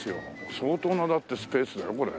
相当なだってスペースだよこれ。